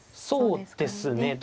そうですね。